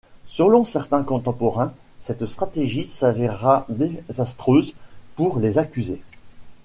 Selon certains contemporains, cette stratégie s'avéra désastreuse pour les accusés.